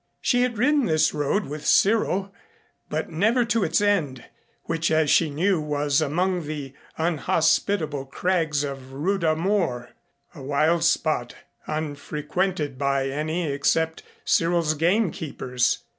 She had ridden this road with Cyril, but never to its end, which as she knew was among the unhospitable crags of Rudha Mor, a wild spot unfrequented by any except Cyril's gamekeepers.